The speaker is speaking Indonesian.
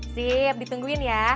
sip ditungguin ya